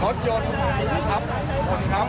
ผมโปรดผ่านมันพอดีเลย